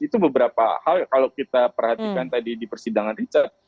itu beberapa hal kalau kita perhatikan tadi di persidangan richard